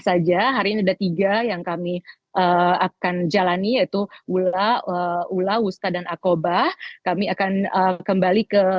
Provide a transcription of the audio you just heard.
saja hari ini ada tiga yang kami akan jalani yaitu ula ula wuska dan akobah kami akan kembali ke